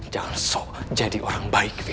jangan sok jadi orang baik viv